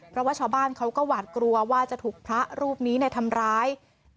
เพราะว่าชาวบ้านเขาก็หวาดกลัวว่าจะถูกพระรูปนี้ทำร้าย